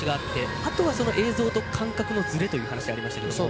あとは映像と感覚のずれということでした。